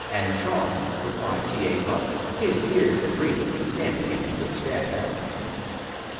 And, "Charmed," replied T. A. Buck, his years and breeding standing him in good stead now.